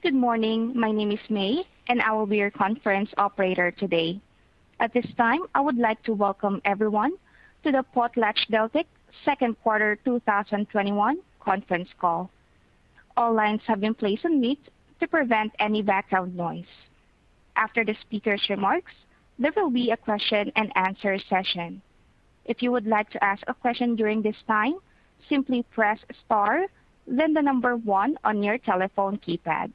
Good morning. My name is May, and I will be your conference operator today. At this time, I would like to welcome everyone to the PotlatchDeltic Second Quarter 2021 Conference Call. All lines have been placed on mute to prevent any background noise. After the speaker's remarks, there will be a question and answer session. If you would like to ask a question during this time, simply press star then the number one on your telephone keypad.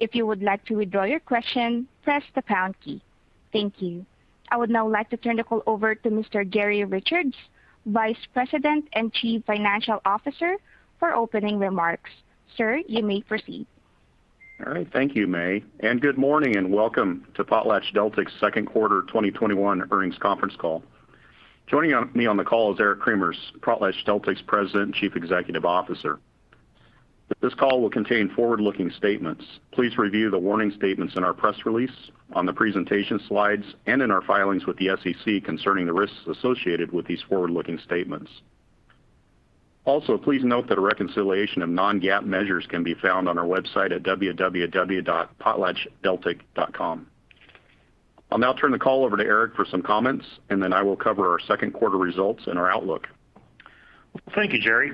If you would like to withdraw your question, press the pound key. Thank you. I would now like to turn the call over to Mr. Jerry Richards, Vice President and Chief Financial Officer, for opening remarks. Sir, you may proceed. All right. Thank you, May, and good morning, and welcome to PotlatchDeltic Second Quarter 2021 Earnings Conference Call. Joining me on the call is Eric Cremers, PotlatchDeltic's President and Chief Executive Officer. This call will contain forward-looking statements. Please review the warning statements in our press release, on the presentation slides, and in our filings with the SEC concerning the risks associated with these forward-looking statements. Please note that a reconciliation of non-GAAP measures can be found on our website at www.potlatchdeltic.com. I'll now turn the call over to Eric for some comments, and then I will cover our second quarter results and our outlook. Thank you, Jerry.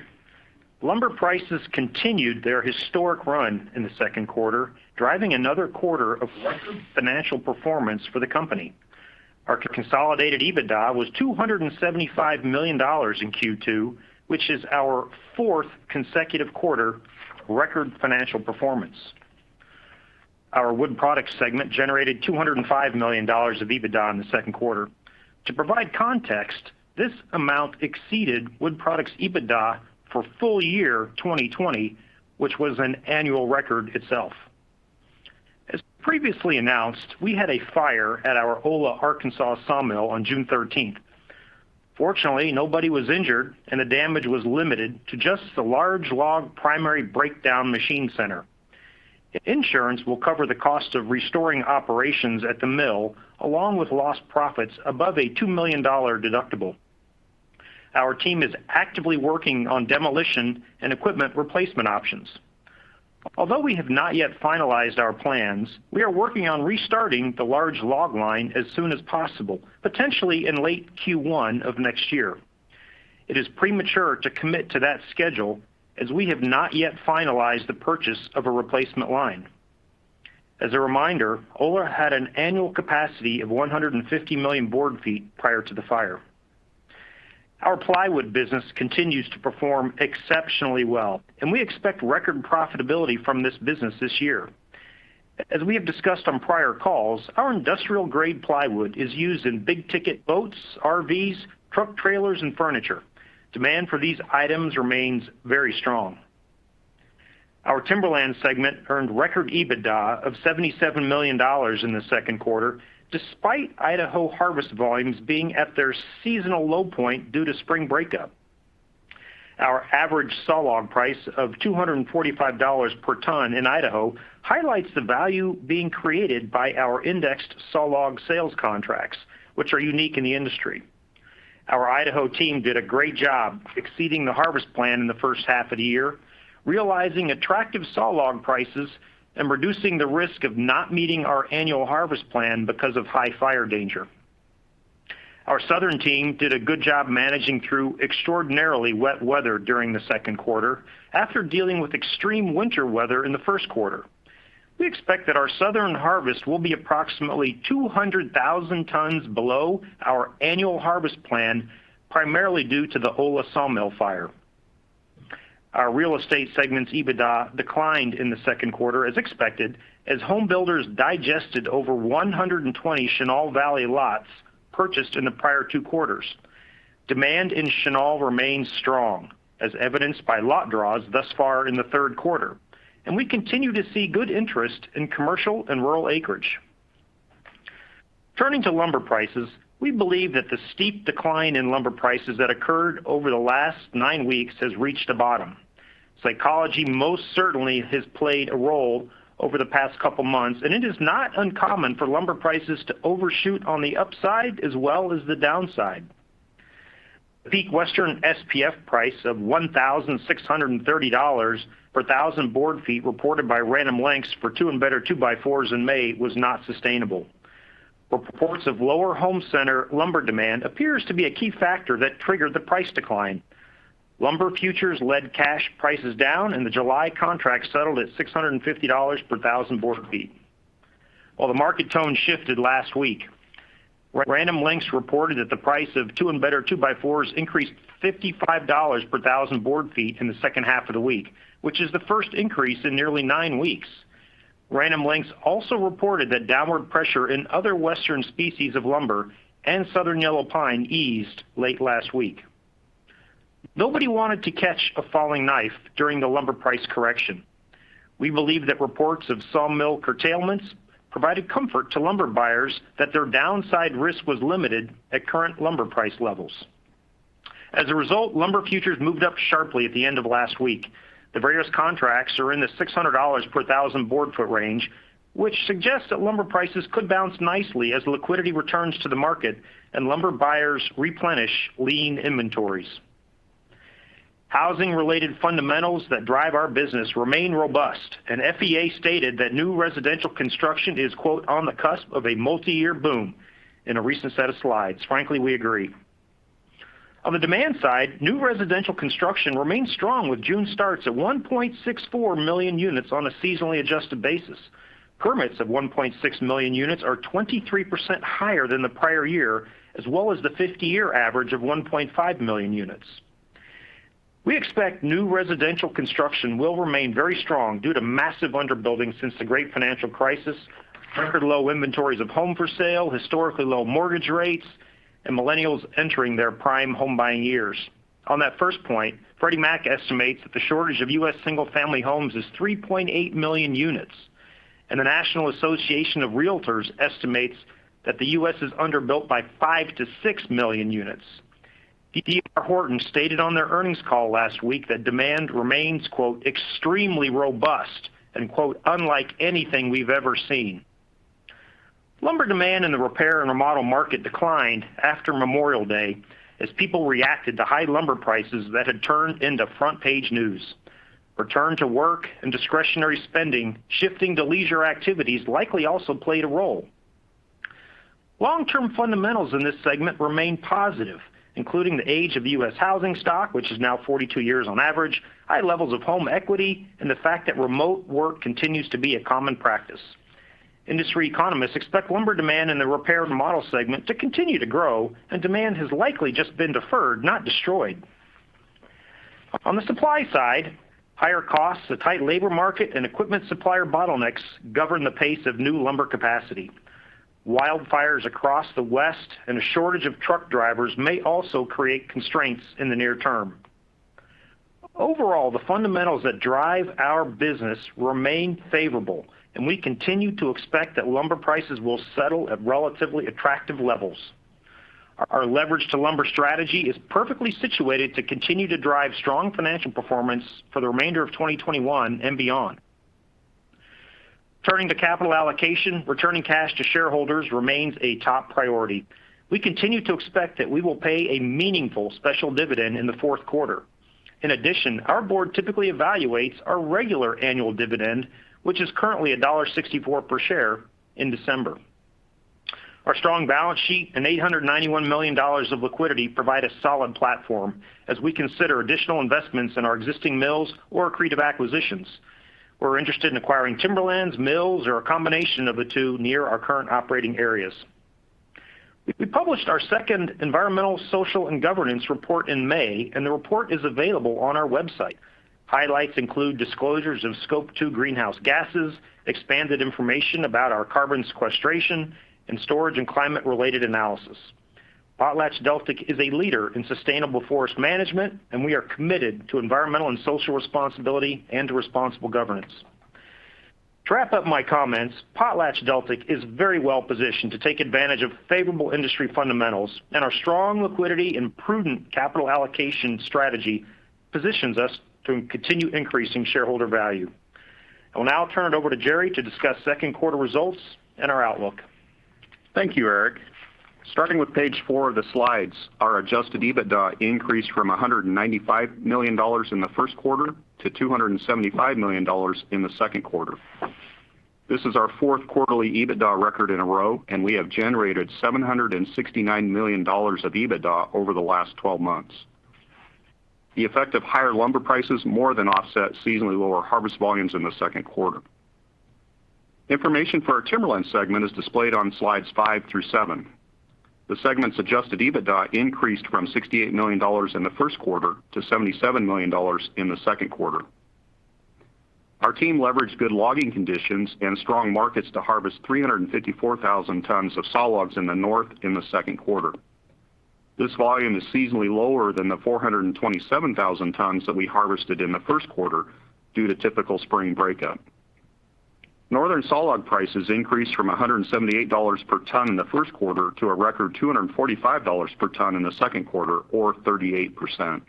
Lumber prices continued their historic run in the second quarter, driving another quarter of record financial performance for the company. Our consolidated EBITDA was $275 million in Q2, which is our fourth consecutive quarter record financial performance. Our Wood Products segment generated $205 million of EBITDA in the second quarter. To provide context, this amount exceeded Wood Products EBITDA for full year 2020, which was an annual record itself. As previously announced, we had a fire at our Ola, Arkansas sawmill on June 13th. Fortunately, nobody was injured, and the damage was limited to just the large log primary breakdown machine center. Insurance will cover the cost of restoring operations at the mill, along with lost profits above a $2 million deductible. Our team is actively working on demolition and equipment replacement options. Although we have not yet finalized our plans, we are working on restarting the large log line as soon as possible, potentially in late Q1 of next year. It is premature to commit to that schedule as we have not yet finalized the purchase of a replacement line. As a reminder, Ola had an annual capacity of 150 million board feet prior to the fire. Our plywood business continues to perform exceptionally well, and we expect record profitability from this business this year. As we have discussed on prior calls, our industrial-grade plywood is used in big-ticket boats, RVs, truck trailers, and furniture. Demand for these items remains very strong. Our Timberland segment earned record EBITDA of $77 million in the second quarter, despite Idaho harvest volumes being at their seasonal low point due to spring breakup. Our average sawlog price of $245 per ton in Idaho highlights the value being created by our indexed sawlog sales contracts, which are unique in the industry. Our Idaho team did a great job exceeding the harvest plan in the first half of the year, realizing attractive sawlog prices and reducing the risk of not meeting our annual harvest plan because of high fire danger. Our southern team did a good job managing through extraordinarily wet weather during the second quarter after dealing with extreme winter weather in the first quarter. We expect that our southern harvest will be approximately 200,000 tons below our annual harvest plan, primarily due to the Ola sawmill fire. Our real estate segment's EBITDA declined in the second quarter as expected, as home builders digested over 120 Chenal Valley lots purchased in the prior two quarters. Demand in Chenal remains strong, as evidenced by lot draws thus far in the third quarter, and we continue to see good interest in commercial and rural acreage. Turning to lumber prices, we believe that the steep decline in lumber prices that occurred over the last nine weeks has reached a bottom. Psychology most certainly has played a role over the past couple of months, and it is not uncommon for lumber prices to overshoot on the upside as well as the downside. Peak Western SPF price of $1,630 per 1,000 board feet reported by Random Lengths for two and better two-by-fours in May was not sustainable. Reports of lower home center lumber demand appears to be a key factor that triggered the price decline. Lumber futures led cash prices down, and the July contract settled at $650 per 1,000 board feet. While the market tone shifted last week, Random Lengths reported that the price of two and better 2x4s increased $55 per 1,000 board feet in the second half of the week, which is the first increase in nearly nine weeks. Random Lengths also reported that downward pressure in other Western species of lumber and southern yellow pine eased late last week. Nobody wanted to catch a falling knife during the lumber price correction. We believe that reports of sawmill curtailments provided comfort to lumber buyers that their downside risk was limited at current lumber price levels. As a result, lumber futures moved up sharply at the end of last week. The various contracts are in the $600 per 1,000 board foot range, which suggests that lumber prices could bounce nicely as liquidity returns to the market and lumber buyers replenish lean inventories. Housing-related fundamentals that drive our business remain robust, and FEA stated that new residential construction is, "On the cusp of a multi-year boom," in a recent set of slides. Frankly, we agree. On the demand side, new residential construction remains strong with June starts at 1.64 million units on a seasonally adjusted basis. Permits of 1.6 million units are 23% higher than the prior year, as well as the 50-year average of 1.5 million units. We expect new residential construction will remain very strong due to massive underbuilding since the Great Financial Crisis, record low inventories of home for sale, historically low mortgage rates, and millennials entering their prime home buying years. On that first point, Freddie Mac estimates that the shortage of U.S. single-family homes is 3.8 million units, and the National Association of Realtors estimates that the U.S. is under-built by 5 million-6 million units. D.R. Horton stated on their earnings call last week that demand remains, "Extremely robust," and, "Unlike anything we've ever seen." Lumber demand in the repair and remodel market declined after Memorial Day as people reacted to high lumber prices that had turned into front-page news. Return to work and discretionary spending, shifting to leisure activities likely also played a role. Long-term fundamentals in this segment remain positive, including the age of U.S. housing stock, which is now 42 years on average, high levels of home equity, and the fact that remote work continues to be a common practice. Industry economists expect lumber demand in the repair and remodel segment to continue to grow, and demand has likely just been deferred, not destroyed. On the supply side, higher costs, a tight labor market, and equipment supplier bottlenecks govern the pace of new lumber capacity. Wildfires across the West and a shortage of truck drivers may also create constraints in the near term. Overall, the fundamentals that drive our business remain favorable, and we continue to expect that lumber prices will settle at relatively attractive levels. Our leverage to lumber strategy is perfectly situated to continue to drive strong financial performance for the remainder of 2021 and beyond. Turning to capital allocation, returning cash to shareholders remains a top priority. We continue to expect that we will pay a meaningful special dividend in the fourth quarter. In addition, our board typically evaluates our regular annual dividend, which is currently $1.64 per share in December. Our strong balance sheet and $891 million of liquidity provide a solid platform as we consider additional investments in our existing mills or accretive acquisitions. We're interested in acquiring timberlands, mills, or a combination of the two near our current operating areas. We published our second environmental, social, and governance report in May, and the report is available on our website. Highlights include disclosures of Scope II greenhouse gases, expanded information about our carbon sequestration, and storage and climate-related analysis. PotlatchDeltic is a leader in sustainable forest management, and we are committed to environmental and social responsibility and to responsible governance. To wrap up my comments, PotlatchDeltic is very well-positioned to take advantage of favorable industry fundamentals, and our strong liquidity and prudent capital allocation strategy positions us to continue increasing shareholder value. I will now turn it over to Jerry to discuss second quarter results and our outlook. Thank you, Eric. Starting with page 4 of the slides, our adjusted EBITDA increased from $195 million in the first quarter to $275 million in the second quarter. This is our fourth quarterly EBITDA record in a row, and we have generated $769 million of EBITDA over the last 12 months. The effect of higher lumber prices more than offset seasonally lower harvest volumes in the second quarter. Information for our Timberlands segment is displayed on slides 5 through 7. The segment's adjusted EBITDA increased from $68 million in the first quarter to $77 million in the second quarter. Our team leveraged good logging conditions and strong markets to harvest 354,000 tons of sawlogs in the North in the second quarter. This volume is seasonally lower than the 427,000 tons that we harvested in the first quarter due to typical spring breakup. Northern sawlog prices increased from $178 per ton in the first quarter to a record $245 per ton in the second quarter, or 38%.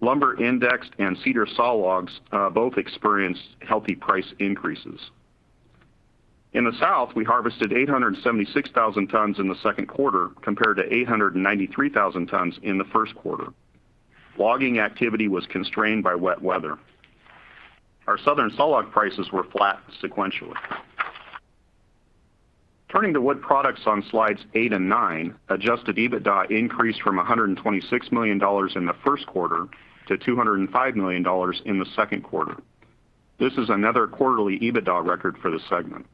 Lumber indexed and cedar sawlogs both experienced healthy price increases. In the South, we harvested 876,000 tons in the second quarter, compared to 893,000 tons in the first quarter. Logging activity was constrained by wet weather. Our Southern sawlog prices were flat sequentially. Turning to Wood Products on slides 8 and 9, adjusted EBITDA increased from $126 million in the first quarter to $205 million in the second quarter. This is another quarterly EBITDA record for the segment.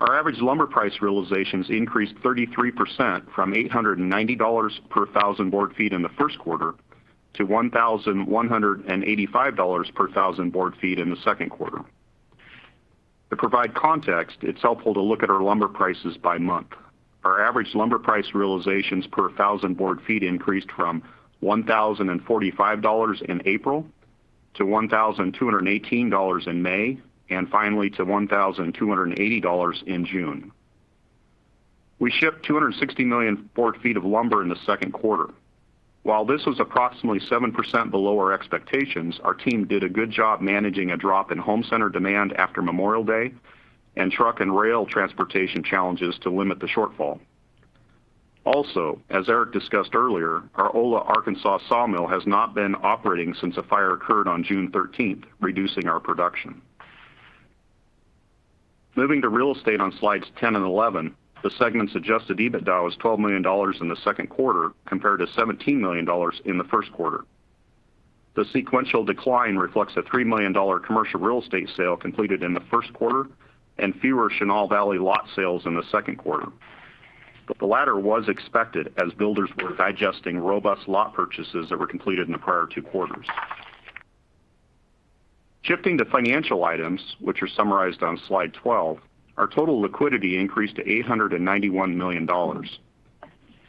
Our average lumber price realizations increased 33% from $890 per thousand board feet in the first quarter to $1,185 per thousand board feet in the second quarter. To provide context, it's helpful to look at our lumber prices by month. Our average lumber price realizations per thousand board feet increased from $1,045 in April to $1,218 in May, and finally to $1,280 in June. We shipped 260 million board feet of lumber in the second quarter. While this was approximately 7% below our expectations, our team did a good job managing a drop in home center demand after Memorial Day and truck and rail transportation challenges to limit the shortfall. As Eric discussed earlier, our Ola, Arkansas sawmill has not been operating since a fire occurred on June 13th, reducing our production. Moving to real estate on slides 10 and 11, the segment's adjusted EBITDA was $12 million in the second quarter, compared to $17 million in the first quarter. The sequential decline reflects a $3 million commercial real estate sale completed in the first quarter and fewer Chenal Valley lot sales in the second quarter. The latter was expected as builders were digesting robust lot purchases that were completed in the prior two quarters. Shifting to financial items, which are summarized on Slide 12, our total liquidity increased to $891 million.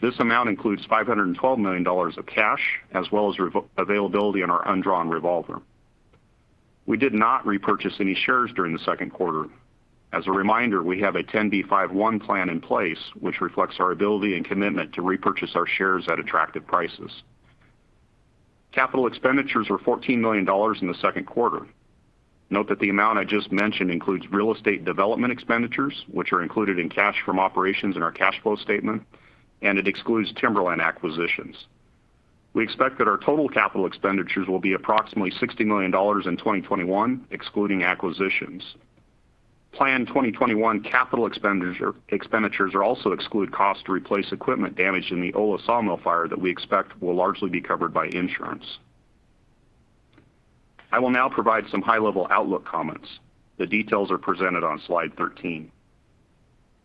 This amount includes $512 million of cash, as well as availability on our undrawn revolver. We did not repurchase any shares during the second quarter. As a reminder, we have a 10b5-1 plan in place, which reflects our ability and commitment to repurchase our shares at attractive prices. Capital expenditures were $14 million in the second quarter. Note that the amount I just mentioned includes real estate development expenditures, which are included in cash from operations in our cash flow statement, and it excludes timberland acquisitions. We expect that our total capital expenditures will be approximately $60 million in 2021, excluding acquisitions. Planned 2021 capital expenditures are also exclude costs to replace equipment damaged in the Ola sawmill fire that we expect will largely be covered by insurance. I will now provide some high-level outlook comments. The details are presented on Slide 13.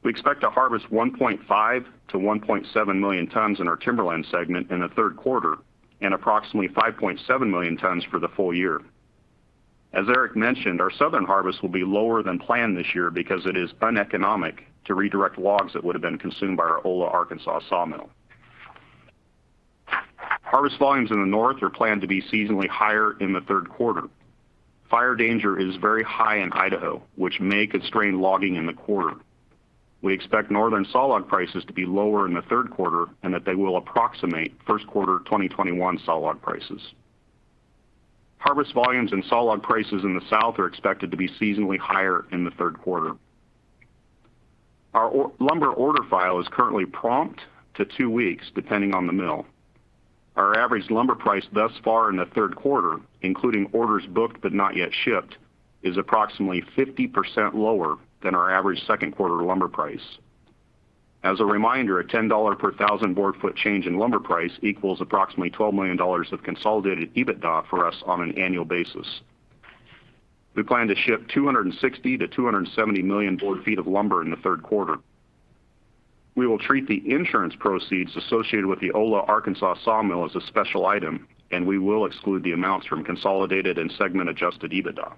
We expect to harvest 1.5 million-1.7 million tons in our timberland segment in the third quarter, and approximately 5.7 million tons for the full year. As Eric mentioned, our southern harvest will be lower than planned this year because it is uneconomic to redirect logs that would have been consumed by our Ola, Arkansas sawmill. Harvest volumes in the north are planned to be seasonally higher in the third quarter. Fire danger is very high in Idaho, which may constrain logging in the quarter. We expect northern sawlog prices to be lower in the third quarter, and that they will approximate first quarter 2021 sawlog prices. Harvest volumes and sawlog prices in the south are expected to be seasonally higher in the third quarter. Our lumber order file is currently prompt to two weeks, depending on the mill. Our average lumber price thus far in the third quarter, including orders booked but not yet shipped, is approximately 50% lower than our average second quarter lumber price. As a reminder, a $10 per 1,000 board foot change in lumber price equals approximately $12 million of consolidated EBITDA for us on an annual basis. We plan to ship 260 million board feet-270 million board feet of lumber in the third quarter. We will treat the insurance proceeds associated with the Ola, Arkansas sawmill as a special item, and we will exclude the amounts from consolidated and segment adjusted EBITDA.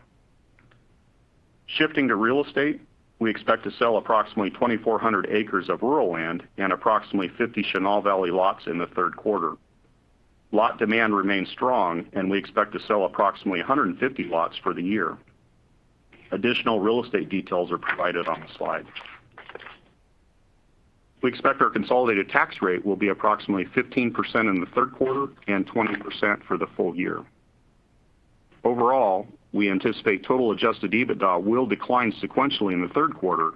Shifting to real estate, we expect to sell approximately 2,400 acres of rural land and approximately 50 Chenal Valley lots in the third quarter. Lot demand remains strong. We expect to sell approximately 150 lots for the year. Additional real estate details are provided on the slide. We expect our consolidated tax rate will be approximately 15% in the third quarter and 20% for the full year. Overall, we anticipate total adjusted EBITDA will decline sequentially in the third quarter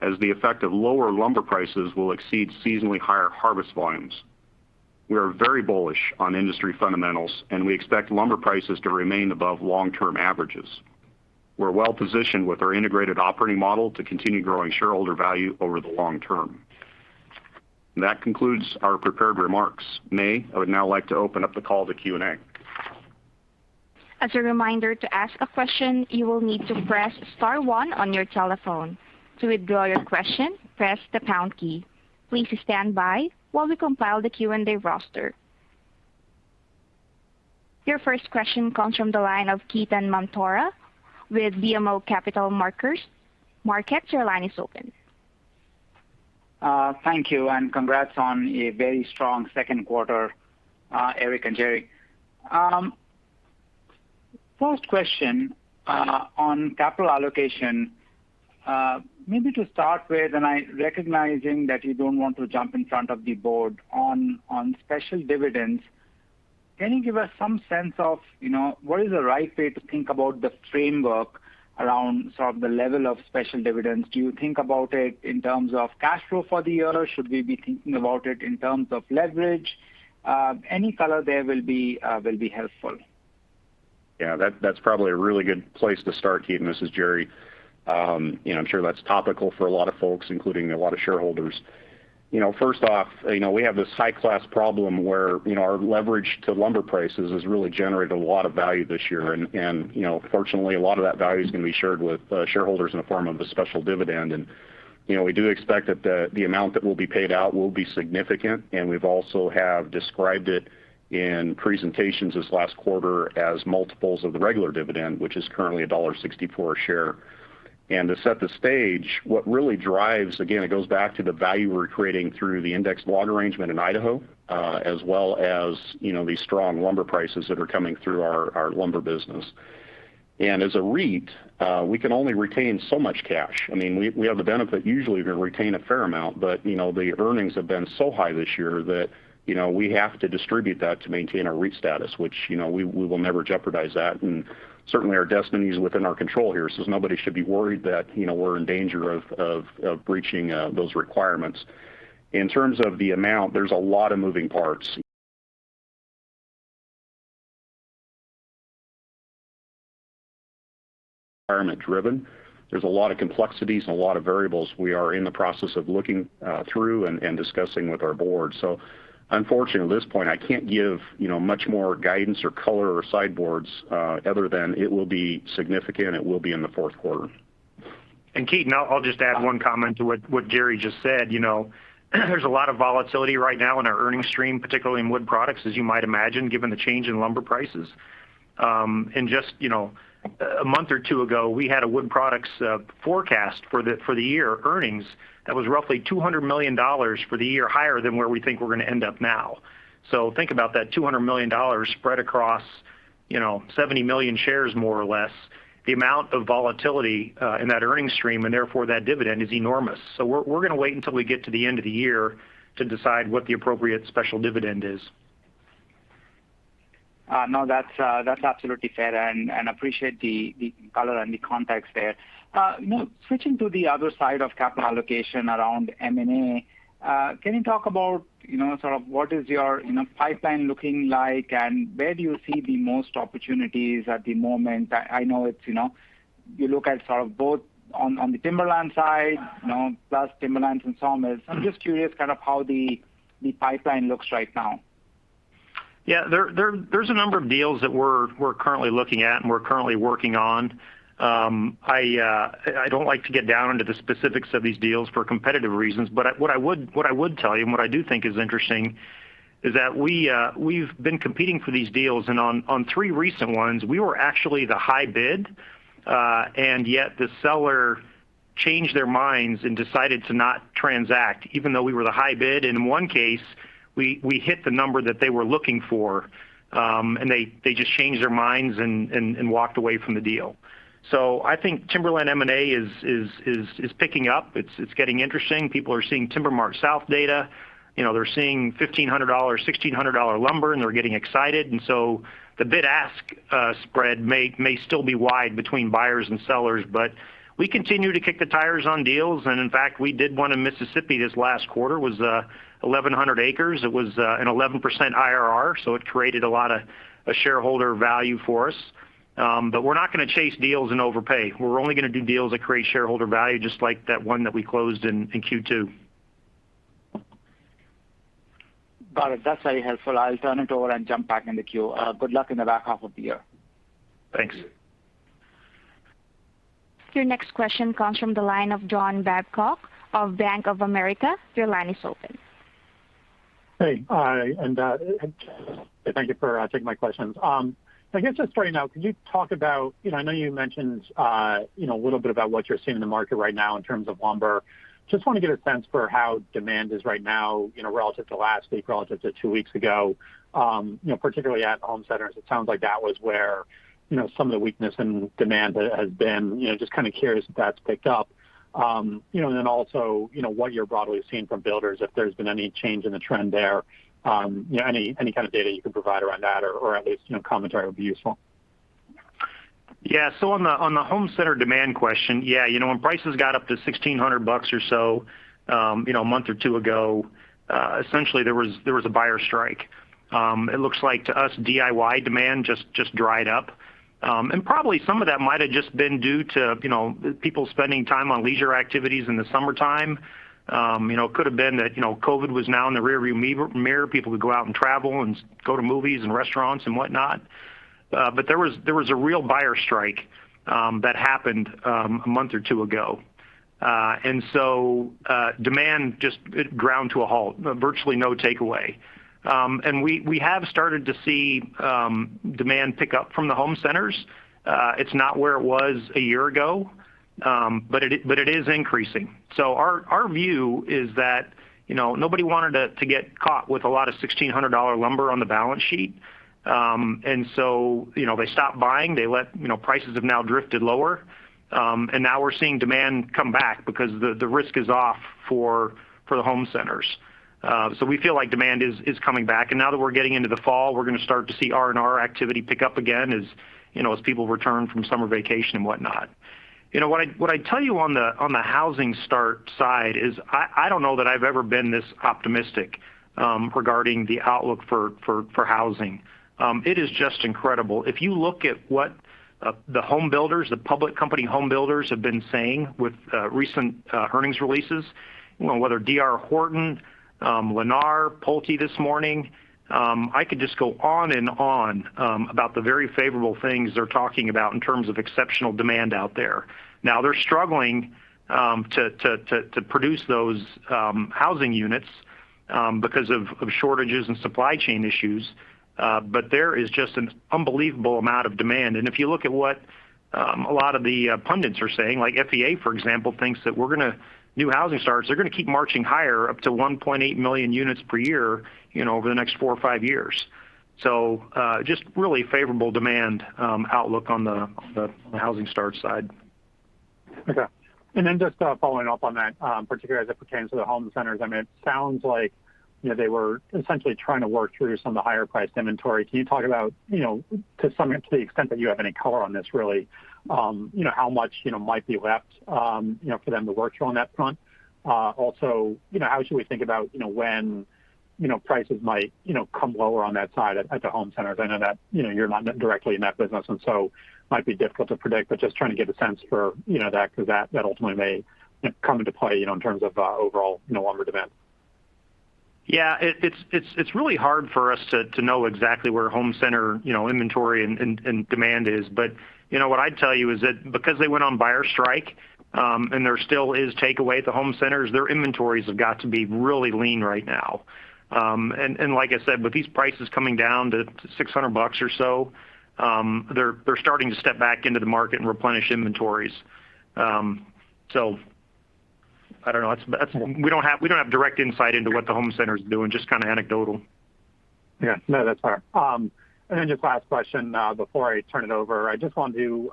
as the effect of lower lumber prices will exceed seasonally higher harvest volumes. We are very bullish on industry fundamentals. We expect lumber prices to remain above long-term averages. We're well-positioned with our integrated operating model to continue growing shareholder value over the long term. That concludes our prepared remarks. May, I would now like to open up the call to Q&A. Your first question comes from the line of Ketan Mamtora with BMO Capital Markets. Ketan, your line is open. Thank you. Congrats on a very strong second quarter, Eric and Jerry. First question on capital allocation. Maybe to start with, and recognizing that you don't want to jump in front of the board on special dividends, can you give us some sense of what is the right way to think about the framework around the level of special dividends? Do you think about it in terms of cash flow for the year, or should we be thinking about it in terms of leverage? Any color there will be helpful. Yeah, that's probably a really good place to start, Ketan. This is Jerry. I'm sure that's topical for a lot of folks, including a lot of shareholders. First off, we have this high-class problem where our leverage to lumber prices has really generated a lot of value this year. Fortunately, a lot of that value is going to be shared with shareholders in the form of a special dividend. We do expect that the amount that will be paid out will be significant, and we've also described it in presentations this last quarter as multiples of the regular dividend, which is currently $1.64 a share. To set the stage, what really drives, again, it goes back to the value we're creating through the indexed log arrangement in Idaho, as well as these strong lumber prices that are coming through our lumber business. As a REIT, we can only retain so much cash. We have the benefit usually to retain a fair amount, but the earnings have been so high this year that we have to distribute that to maintain our REIT status, which we will never jeopardize that. Certainly, our destiny is within our control here, so nobody should be worried that we're in danger of breaching those requirements. In terms of the amount, there's a lot of moving parts. Environment driven. There's a lot of complexities and a lot of variables we are in the process of looking through and discussing with our board. Unfortunately, at this point, I can't give much more guidance or color or sideboards other than it will be significant, it will be in the fourth quarter. Ketan, I'll just add one comment to what Jerry just said. There's a lot of volatility right now in our earnings stream, particularly in wood products, as you might imagine, given the change in lumber prices. Just a month or two ago, we had a wood products forecast for the year earnings that was roughly $200 million for the year higher than where we think we're going to end up now. Think about that $200 million spread across 70 million shares, more or less, the amount of volatility in that earnings stream, and therefore that dividend is enormous. We're going to wait until we get to the end of the year to decide what the appropriate special dividend is. No, that's absolutely fair. Appreciate the color and the context there. Switching to the other side of capital allocation around M&A, can you talk about sort of what is your pipeline looking like, and where do you see the most opportunities at the moment? I know you look at sort of both on the timberland side plus timberlands and sawmills. I'm just curious kind of how the pipeline looks right now. Yeah. There's a number of deals that we're currently looking at and we're currently working on. I don't like to get down into the specifics of these deals for competitive reasons. What I would tell you and what I do think is interesting is that we've been competing for these deals, and on three recent ones, we were actually the high bid. Yet the seller changed their minds and decided to not transact even though we were the high bid. In one case, we hit the number that they were looking for. They just changed their minds and walked away from the deal. I think timberland M&A is picking up. It's getting interesting. People are seeing TimberMart-South data. They're seeing $1,500-$1,600 lumber. They're getting excited. The bid-ask spread may still be wide between buyers and sellers, but we continue to kick the tires on deals, and in fact, we did one in Mississippi this last quarter. It was 1,100 acres. It was an 11% IRR, so it created a lot of shareholder value for us. We're not going to chase deals and overpay. We're only going to do deals that create shareholder value, just like that one that we closed in Q2. Got it. That's very helpful. I'll turn it over and jump back in the queue. Good luck in the back half of the year. Thanks. Your next question comes from the line of John Babcock of Bank of America. Your line is open. Hey. Hi, thank you for taking my questions. I guess just starting out, could you talk about, I know you mentioned a little bit about what you're seeing in the market right now in terms of lumber. Just want to get a sense for how demand is right now relative to last week, relative to two weeks ago. Particularly at home centers, it sounds like that was where some of the weakness in demand has been. Just kind of curious if that's picked up. Also, what you're broadly seeing from builders, if there's been any change in the trend there. Any kind of data you can provide around that or at least commentary would be useful. Yeah. On the home center demand question, yeah, when prices got up to $1,600 or so a month or two ago, essentially there was a buyer strike. It looks like to us, DIY demand just dried up. Probably some of that might have just been due to people spending time on leisure activities in the summertime. Could have been that COVID was now in the rearview mirror. People could go out and travel and go to movies and restaurants and whatnot. There was a real buyer strike that happened a month or two ago. Demand just ground to a halt, virtually no takeaway. We have started to see demand pick up from the home centers. It's not where it was a year ago, but it is increasing. Our view is that nobody wanted to get caught with a lot of $1,600 lumber on the balance sheet. They stopped buying. Prices have now drifted lower, and now we're seeing demand come back because the risk is off for the home centers. We feel like demand is coming back, and now that we're getting into the fall, we're going to start to see R&R activity pick up again as people return from summer vacation and whatnot. What I'd tell you on the housing start side is I don't know that I've ever been this optimistic regarding the outlook for housing. It is just incredible. If you look at what the home builders, the public company home builders have been saying with recent earnings releases, whether D.R. Horton, Lennar, PulteGroup this morning, I could just go on and on about the very favorable things they're talking about in terms of exceptional demand out there. They're struggling to produce those housing units because of shortages and supply chain issues. There is just an unbelievable amount of demand, and if you look at what a lot of the pundits are saying, like FEA, for example, thinks that new housing starts are going to keep marching higher up to 1.8 million units per year over the next four or five years. Just really favorable demand outlook on the housing start side. Okay. Just following up on that, particularly as it pertains to the home centers, it sounds like they were essentially trying to work through some of the higher priced inventory. Can you talk about, to the extent that you have any color on this really, how much might be left for them to work through on that front? How should we think about when prices might come lower on that side at the home centers? I know that you're not directly in that business, and so might be difficult to predict, but just trying to get a sense for that because that ultimately may come into play in terms of overall lumber demand. Yeah. It's really hard for us to know exactly where home center inventory and demand is. What I'd tell you is that because they went on buyer strike, and there still is takeaway at the home centers, their inventories have got to be really lean right now. Like I said, with these prices coming down to $600 or so, they're starting to step back into the market and replenish inventories. I don't know. We don't have direct insight into what the home center is doing, just kind of anecdotal. Yeah. No, that's all right. Then just last question before I turn it over. I just wanted to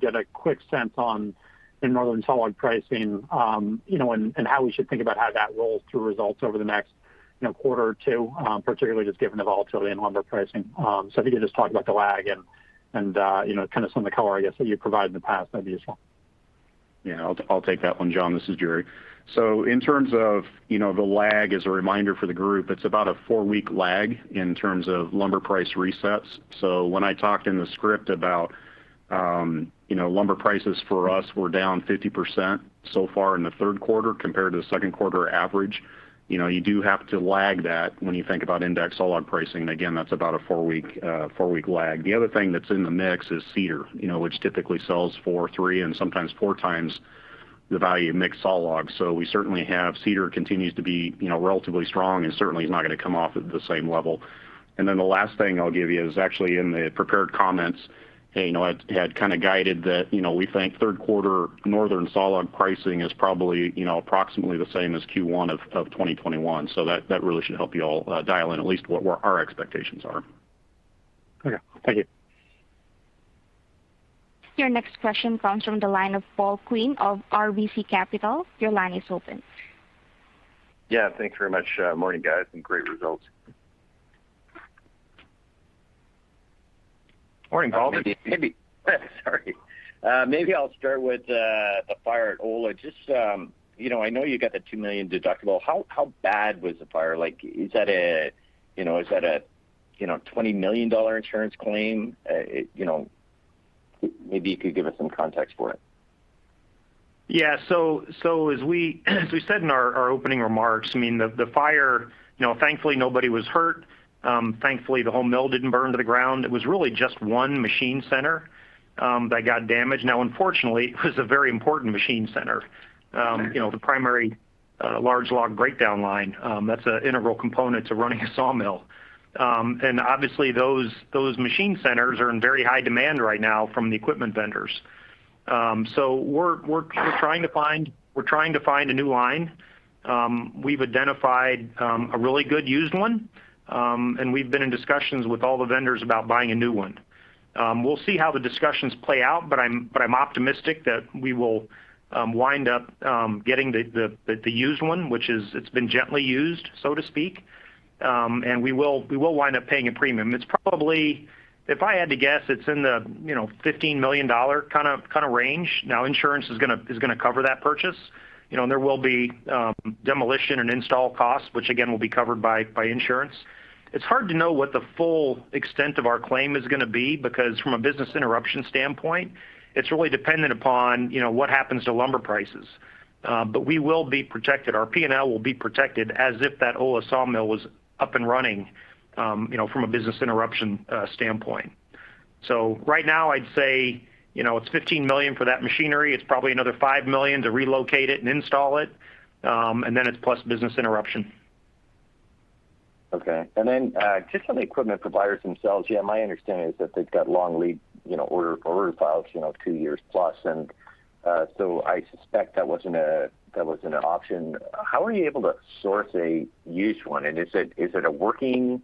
get a quick sense on Northern solid pricing, and how we should think about how that rolls through results over the next quarter or two, particularly just given the volatility in lumber pricing. If you could just talk about the lag and kind of some of the color, I guess, that you provided in the past, that'd be useful. Yeah, I'll take that one, John. This is Jerry. In terms of the lag, as a reminder for the group, it's about a four-week lag in terms of lumber price resets. When I talked in the script about lumber prices for us were down 50% so far in the third quarter compared to the second-quarter average, you do have to lag that when you think about index sawlog pricing. Again, that's about a four-week lag. The other thing that's in the mix is cedar, which typically sells for three and sometimes four times the value of mixed sawlog. Cedar continues to be relatively strong and certainly is not going to come off at the same level. The last thing I'll give you is actually in the prepared comments, I had kind of guided that we think third-quarter Northern solid pricing is probably approximately the same as Q1 of 2021. That really should help you all dial in at least what our expectations are. Okay. Thank you. Your next question comes from the line of Paul Quinn of RBC Capital. Yeah. Thanks very much. Morning, guys, and great results. Morning, Paul. Maybe I'll start with the fire at Ola. I know you got the $2 million deductible. How bad was the fire? Is that a $20 million insurance claim? Maybe you could give us some context for it. Yeah. As we said in our opening remarks, the fire, thankfully, nobody was hurt. Thankfully, the whole mill didn't burn to the ground. It was really just one machine center that got damaged. Unfortunately, it was a very important machine center. Okay. The primary large log breakdown line. That's an integral component to running a sawmill. Obviously, those machine centers are in very high demand right now from the equipment vendors. We're trying to find a new line. We've identified a really good used one, and we've been in discussions with all the vendors about buying a new one. We'll see how the discussions play out, but I'm optimistic that we will wind up getting the used one, which it's been gently used, so to speak, and we will wind up paying a premium. If I had to guess, it's in the $15 million kind of range. Now, insurance is going to cover that purchase, and there will be demolition and install costs, which again, will be covered by insurance. It's hard to know what the full extent of our claim is going to be, because from a business interruption standpoint, it's really dependent upon what happens to lumber prices. We will be protected. Our P&L will be protected as if that Ola sawmill was up and running from a business interruption standpoint. Right now, I'd say it's $15 million for that machinery. It's probably another $5 million to relocate it and install it, and then it's plus business interruption. Okay. Just on the equipment providers themselves, my understanding is that they've got long lead order files, two years plus. I suspect that wasn't an option. How were you able to source a used one? Is it working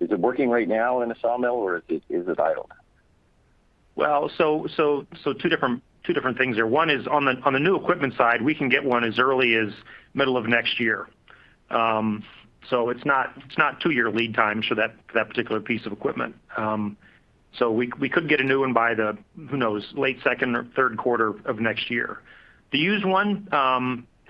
right now in the sawmill, or is it idle? Two different things there. One is on the new equipment side, we can get one as early as middle of next year. It's not two-year lead time for that particular piece of equipment. We could get a new one by the, who knows, late second or third quarter of next year. The used one,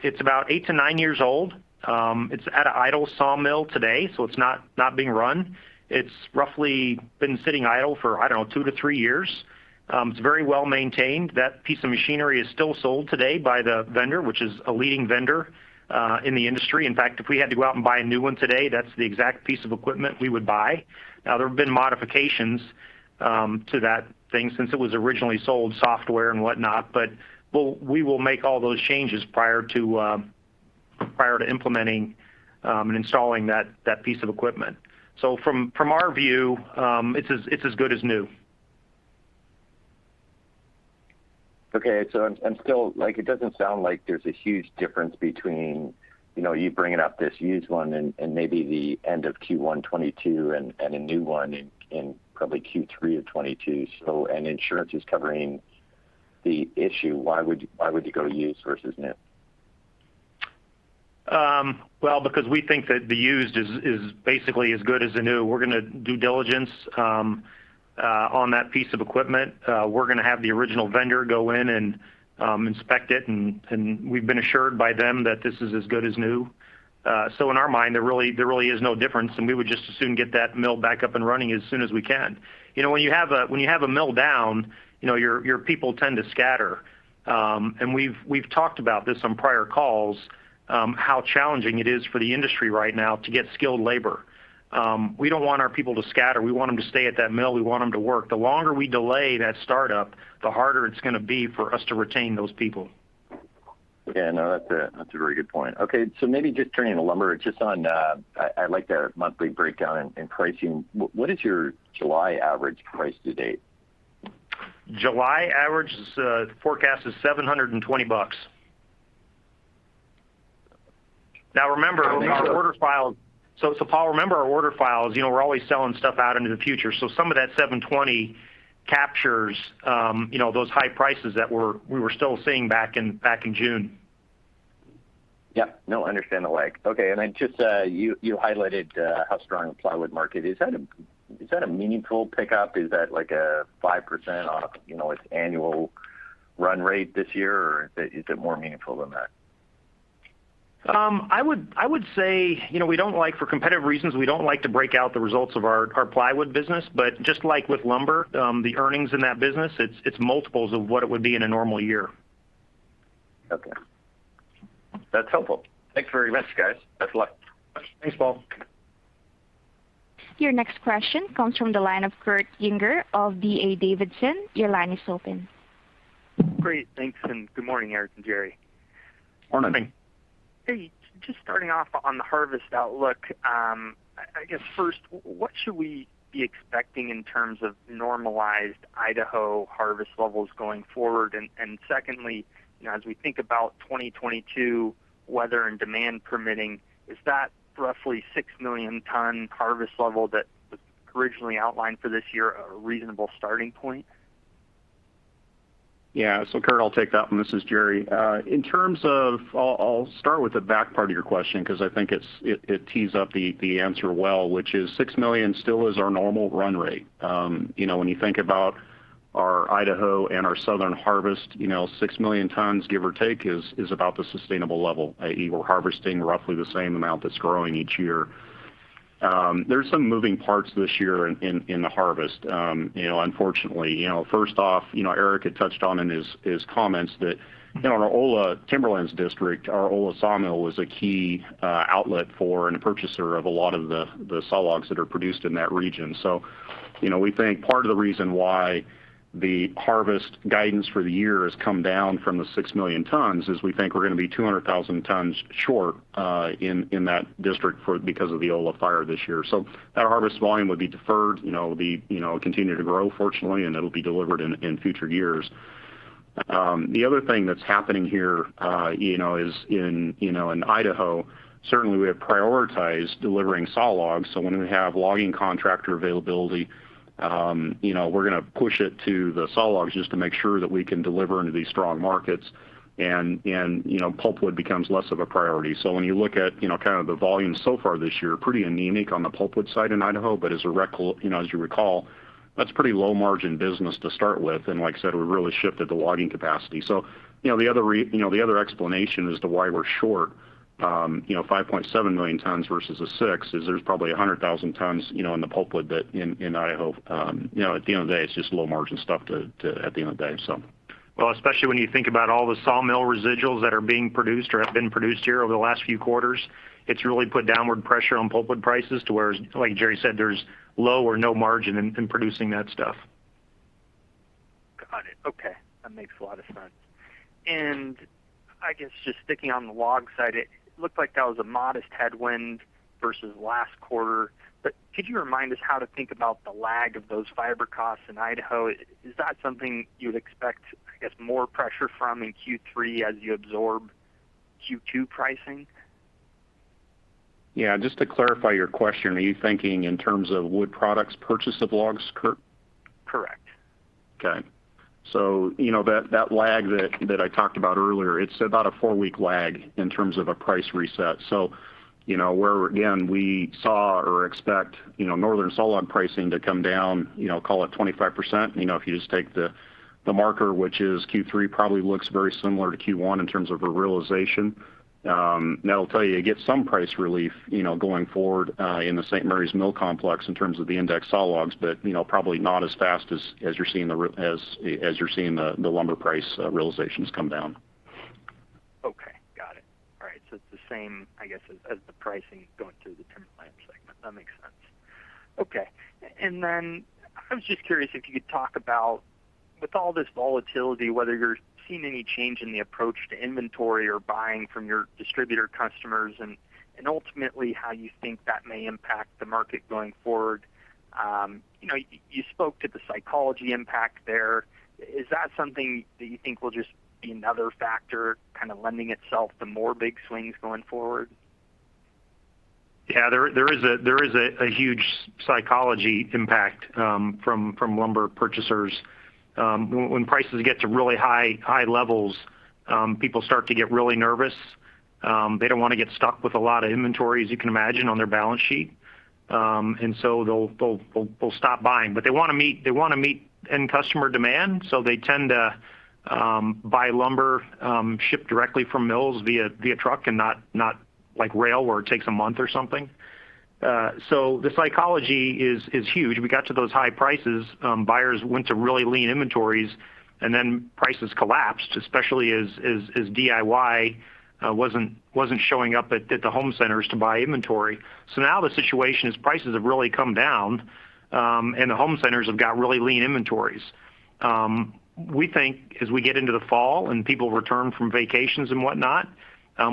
it's about eight to nine years old. It's at an idle sawmill today, so it's not being run. It's roughly been sitting idle for, I don't know, two to three years. It's very well-maintained. That piece of machinery is still sold today by the vendor, which is a leading vendor in the industry. In fact, if we had to go out and buy a new one today, that's the exact piece of equipment we would buy. There have been modifications to that thing since it was originally sold, software and whatnot, but we will make all those changes prior to implementing and installing that piece of equipment. From our view, it's as good as new. Okay. It doesn't sound like there's a huge difference between you bringing up this used one and maybe the end of Q1 2022 and a new one in probably Q3 of 2022. Insurance is covering the issue. Why would you go used versus new? Well, because we think that the used is basically as good as the new. We're going to do due diligence on that piece of equipment. We're going to have the original vendor go in and inspect it, and we've been assured by them that this is as good as new. In our mind, there really is no difference, and we would just as soon get that mill back up and running as soon as we can. When you have a mill down, your people tend to scatter. We've talked about this on prior calls how challenging it is for the industry right now to get skilled labor. We don't want our people to scatter. We want them to stay at that mill. We want them to work. The longer we delay that startup, the harder it's going to be for us to retain those people. Yeah, no, that's a very good point. Okay. Maybe just turning to lumber, I'd like that monthly breakdown in pricing. What is your July average price to date? July average forecast is $720. I think so. Paul, remember our order files, we're always selling stuff out into the future. some of that $720 captures those high prices that we were still seeing back in June. Yep. No, understand the lag. Okay. You highlighted how strong the plywood market is. Is that a meaningful pickup? Is that like a 5% off its annual run rate this year, or is it more meaningful than that? For competitive reasons, we don't like to break out the results of our plywood business, but just like with lumber, the earnings in that business, it's multiples of what it would be in a normal year. Okay. That's helpful. Thanks very much, guys. Best of luck. Thanks, Paul. Your next question comes from the line of Kurt Yinger of D.A. Davidson. Your line is open. Great. Thanks, and good morning, Eric and Jerry. Morning. Morning. Hey. Just starting off on the harvest outlook, I guess first, what should we be expecting in terms of normalized Idaho harvest levels going forward? Secondly, as we think about 2022 weather and demand permitting, is that roughly 6 million tons harvest level that was originally outlined for this year a reasonable starting point? Yeah. Kurt, I'll take that one. This is Jerry. I'll start with the back part of your question because I think it tees up the answer well, which is 6 million tons still is our normal run rate. When you think about our Idaho and our southern harvest, 6 million tons, give or take, is about the sustainable level, i.e., we're harvesting roughly the same amount that's growing each year. There's some moving parts this year in the harvest, unfortunately. First off, Eric had touched on in his comments that in our Ola Timberlands district, our Ola sawmill was a key outlet for and a purchaser of a lot of the saw logs that are produced in that region. We think part of the reason why the harvest guidance for the year has come down from the 6 million tons is we think we're going to be 200,000 tons short in that district because of the Ola fire this year. That harvest volume would be deferred, it will continue to grow fortunately, and it'll be delivered in future years. The other thing that's happening here is in Idaho, certainly we have prioritized delivering saw logs. When we have logging contractor availability, we're going to push it to the saw logs just to make sure that we can deliver into these strong markets, and pulpwood becomes less of a priority. When you look at the volume so far this year, pretty anemic on the pulpwood side in Idaho, but as you recall, that's pretty low-margin business to start with. Like I said, we really shifted the logging capacity. The other explanation as to why we're short 5.7 million tons versus the 6 million tons is there's probably 100,000 tons in the pulpwood in Idaho. At the end of the day, it's just low-margin stuff at the end of the day, so. Especially when you think about all the sawmill residuals that are being produced or have been produced here over the last few quarters, it's really put downward pressure on pulpwood prices to where, like Jerry said, there's low or no margin in producing that stuff. Got it. Okay. That makes a lot of sense. I guess just sticking on the log side, it looked like that was a modest headwind versus last quarter, could you remind us how to think about the lag of those fiber costs in Idaho? Is that something you would expect, I guess, more pressure from in Q3 as you absorb Q2 pricing? Yeah. Just to clarify your question, are you thinking in terms of Wood Products purchase of logs, Kurt? Correct. That lag that I talked about earlier, it's about a four-week lag in terms of a price reset. Again, we saw or expect northern saw log pricing to come down, call it 25%. If you just take the marker, which is Q3 probably looks very similar to Q1 in terms of a realization. That'll tell you get some price relief going forward in the St. Maries mill complex in terms of the index saw logs, but probably not as fast as you're seeing the lumber price realizations come down. Okay. Got it. All right. It's the same, I guess, as the pricing going through the Timberlands segment. That makes sense. Okay. I was just curious if you could talk about, with all this volatility, whether you're seeing any change in the approach to inventory or buying from your distributor customers, and ultimately how you think that may impact the market going forward. You spoke to the psychology impact there. Is that something that you think will just be another factor kind of lending itself to more big swings going forward? Yeah. There is a huge psychology impact from lumber purchasers. When prices get to really high levels, people start to get really nervous. They don't want to get stuck with a lot of inventory, as you can imagine, on their balance sheet. They'll stop buying. They want to meet end customer demand, so they tend to buy lumber shipped directly from mills via truck and not like rail where it takes a month or something. The psychology is huge. We got to those high prices, buyers went to really lean inventories, prices collapsed, especially as DIY wasn't showing up at the home centers to buy inventory. Now the situation is prices have really come down, and the home centers have got really lean inventories. We think as we get into the fall and people return from vacations and whatnot,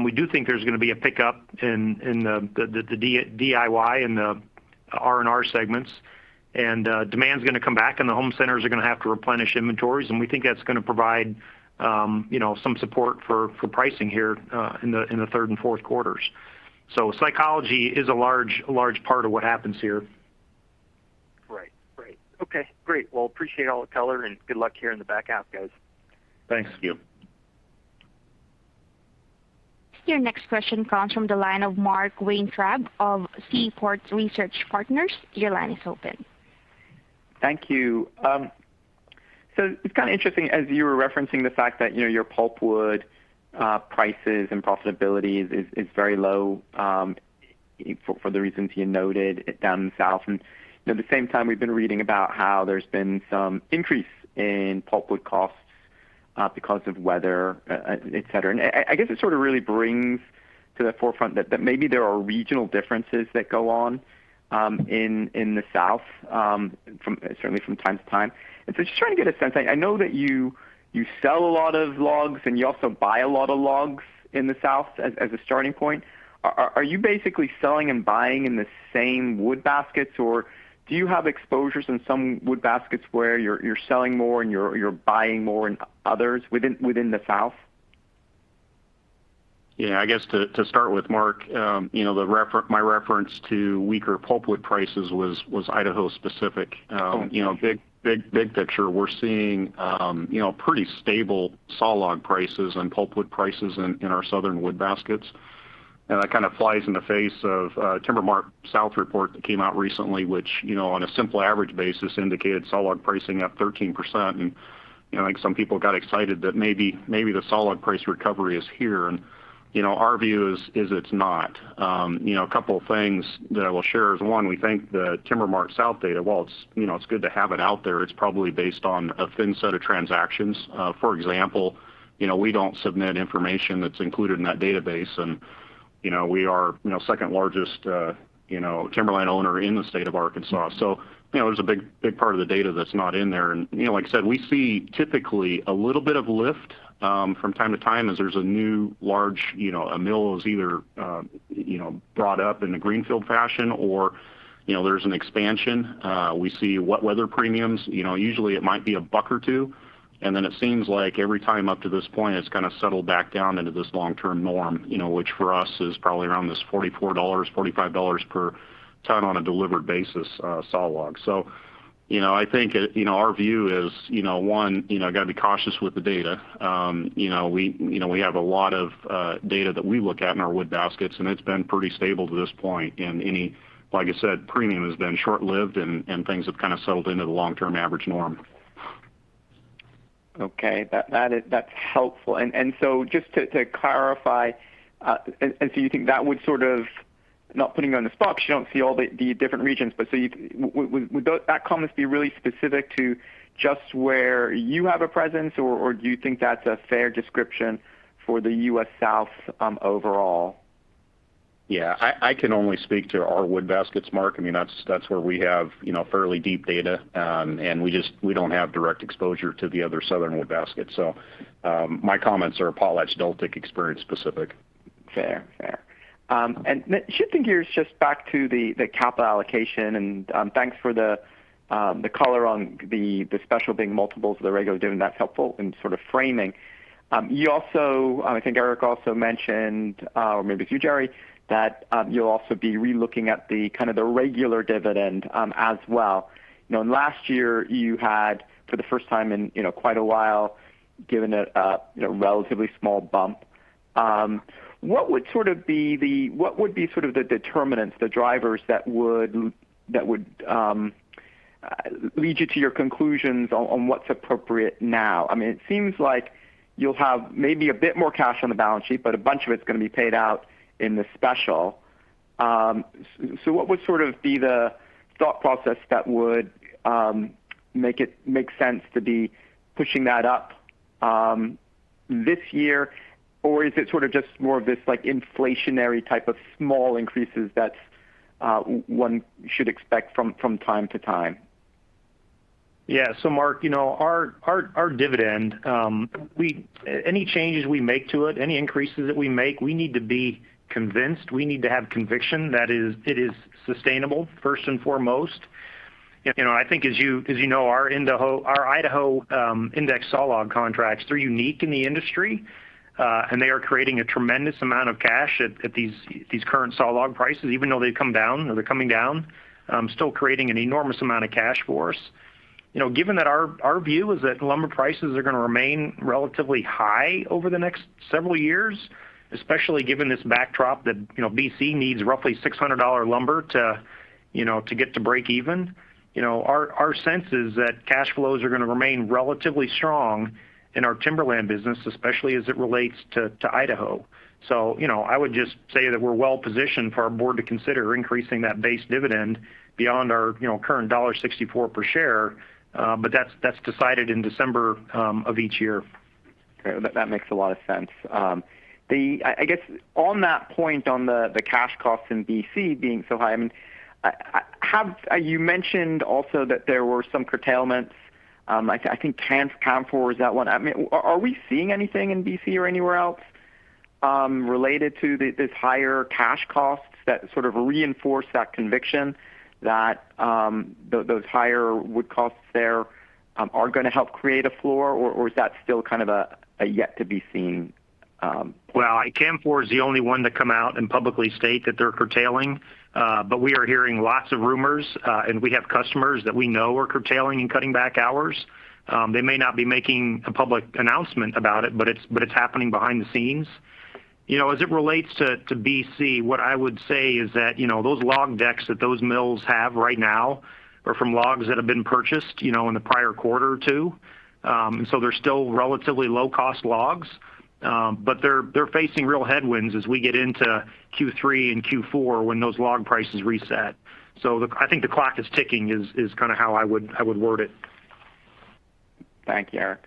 we do think there's going to be a pickup in the DIY and the R&R segments. Demand's going to come back, and the home centers are going to have to replenish inventories, and we think that's going to provide some support for pricing here in the third and fourth quarters. Psychology is a large part of what happens here. Right. Okay, great. Well, appreciate all the color and good luck here in the back half, guys. Thanks. Thank you. Your next question comes from the line of Mark Weintraub of Seaport Research Partners. Your line is open. Thank you. It's kind of interesting, as you were referencing the fact that your pulpwood prices and profitability is very low for the reasons you noted down in the South. At the same time, we've been reading about how there's been some increase in pulpwood costs because of weather, et cetera. I guess it sort of really brings to the forefront that maybe there are regional differences that go on in the South, certainly from time to time. Just trying to get a sense, I know that you sell a lot of logs and you also buy a lot of logs in the South as a starting point. Are you basically selling and buying in the same wood baskets, or do you have exposures in some wood baskets where you're selling more and you're buying more in others within the South? Yeah, I guess to start with, Mark, my reference to weaker pulpwood prices was Idaho specific. Oh, okay. Big picture, we're seeing pretty stable sawlog prices and pulpwood prices in our Southern wood baskets. That kind of flies in the face of TimberMart-South report that came out recently, which on a simple average basis indicated sawlog pricing up 13%. I think some people got excited that maybe the sawlog price recovery is here, and our view is it's not. A couple of things that I will share is, one, we think the TimberMart-South data, while it's good to have it out there, it's probably based on a thin set of transactions. For example, we don't submit information that's included in that database, and we are second-largest timberland owner in the state of Arkansas. There's a big part of the data that's not in there. Like I said, we see typically a little bit of lift from time to time as there's a new large mill is either brought up in the greenfield fashion or there's an expansion. We see wet weather premiums. Usually it might be $1 or $2, and then it seems like every time up to this point, it's kind of settled back down into this long-term norm which for us is probably around this $44-$45 per ton on a delivered basis sawlog. I think our view is, one, got to be cautious with the data. We have a lot of data that we look at in our wood baskets, and it's been pretty stable to this point, and any, like I said, premium has been short-lived, and things have kind of settled into the long-term average norm. Okay. That's helpful. Just to clarify, you think that would sort of, not putting you on the spot because you don't see all the different regions, but would that comment be really specific to just where you have a presence, or do you think that's a fair description for the U.S. South overall? Yeah. I can only speak to our wood baskets, Mark. That's where we have fairly deep data, and we don't have direct exposure to the other Southern wood baskets. My comments are PotlatchDeltic experience specific. Fair. Shifting gears just back to the capital allocation, and thanks for the color on the special big multiples of the regular dividend. That's helpful in sort of framing. You also, I think Eric also mentioned, or maybe it's you, Jerry, that you'll also be re-looking at the kind of the regular dividend as well. Last year you had, for the first time in quite a while, given a relatively small bump. What would be sort of the determinants, the drivers that would lead you to your conclusions on what's appropriate now? It seems like you'll have maybe a bit more cash on the balance sheet, but a bunch of it's going to be paid out in the special. What would sort of be the thought process that would make sense to be pushing that up this year? Is it sort of just more of this like inflationary type of small increases that one should expect from time to time? Yeah. Mark, our dividend, any changes we make to it, any increases that we make, we need to have conviction that it is sustainable, first and foremost. I think as you know, our Idaho index sawlog contracts, they're unique in the industry, they are creating a tremendous amount of cash at these current sawlog prices. Even though they've come down or they're coming down, still creating an enormous amount of cash for us. Given that our view is that lumber prices are going to remain relatively high over the next several years, especially given this backdrop that BC needs roughly $600 lumber to get to breakeven, our sense is that cash flows are going to remain relatively strong in our timberland business, especially as it relates to Idaho. I would just say that we're well-positioned for our board to consider increasing that base dividend beyond our current $1.64 per share. That's decided in December of each year. Okay. That makes a lot of sense. I guess on that point on the cash costs in BC being so high, you mentioned also that there were some curtailments. I think Canfor was that one. Are we seeing anything in BC or anywhere else related to these higher cash costs that sort of reinforce that conviction that those higher wood costs there are going to help create a floor, or is that still kind of a yet to be seen? Well, Canfor is the only one to come out and publicly state that they're curtailing. We are hearing lots of rumors, and we have customers that we know are curtailing and cutting back hours. They may not be making a public announcement about it, but it's happening behind the scenes. As it relates to BC, what I would say is that those log decks that those mills have right now are from logs that have been purchased in the prior quarter or two. They're still relatively low-cost logs. They're facing real headwinds as we get into Q3 and Q4 when those log prices reset. I think the clock is ticking is kind of how I would word it. Thank you, Eric.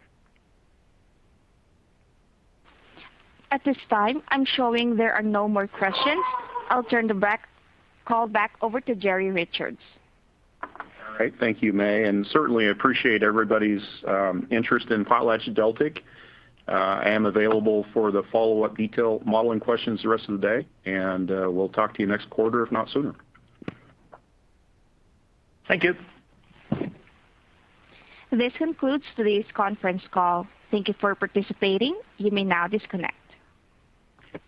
At this time, I'm showing there are no more questions. I'll turn the call back over to Jerry Richards. All right. Thank you, May. Certainly appreciate everybody's interest in PotlatchDeltic. I am available for the follow-up detail modeling questions the rest of the day. We'll talk to you next quarter, if not sooner. Thank you. This concludes today's conference call. Thank you for participating. You may now disconnect.